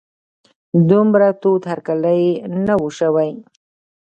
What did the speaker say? دومره تود هرکلی نه و شوی.